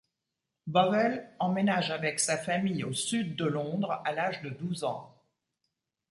Bovell emménage avec sa famille au Sud de Londres à l'âge de douze ans.